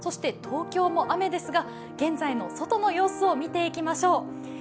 東京も雨ですが、現在の外の様子を見ていきましょう。